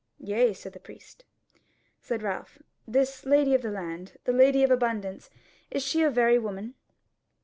"Yea," said the priest. Said Ralph: "This lady of the land, the Lady of Abundance, is she a very woman?"